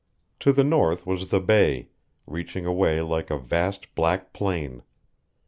To the north was the Bay, reaching away like a vast black plain.